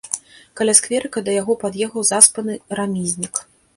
Каля скверыка да яго пад'ехаў заспаны рамізнік.